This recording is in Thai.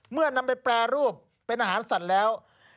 นำไปแปรรูปเป็นอาหารสัตว์แล้ว